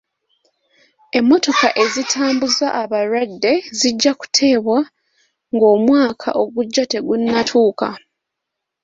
Emmotoka ezitambuza abalwadde zijja kuteebwa ng'omwaka ogujja tegunnatuuka.